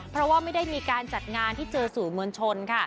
เพราะว่าไม่ได้มีการจัดงานที่เจอสู่มวลชนค่ะ